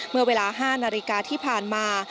เมื่อเวลา๕นาฬิกาที่ผ่านมา